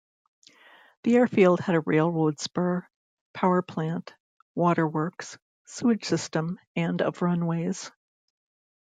The airfield had a railroad spur, power plant, waterworks, sewage system and of runways.